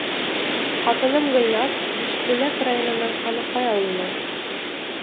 Ҡатыным Гөлназ Бишбүләк районының Ҡаныҡай ауылынан.